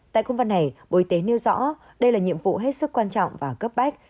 tại công văn này bộ y tế nêu rõ đây là nhiệm vụ hết sức quan trọng và cấp bách